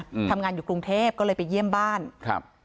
อืมทำงานอยู่กรุงเทพก็เลยไปเยี่ยมบ้านครับ